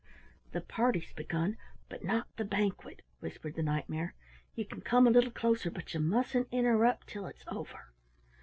"The party's begun, but not the Banquet," whispered the Knight mare. "You can come a little closer, but you mustn't interrupt till it's over."